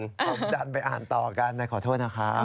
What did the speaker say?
ผมดันไปอ่านต่อกันนะขอโทษนะครับ